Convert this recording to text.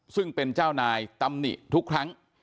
ซึ่งเป็นเจ้านายตำหนิทุกครั้ง